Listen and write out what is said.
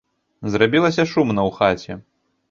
Зрабілася шумна ў хаце.